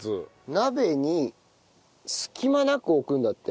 鍋に隙間なく置くんだって。